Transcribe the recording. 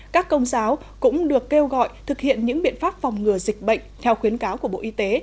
các công giáo cũng được kêu gọi thực hiện những biện pháp phòng ngừa dịch bệnh theo khuyến cáo của bộ y tế